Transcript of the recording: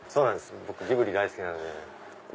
僕ジブリ大好きなんで。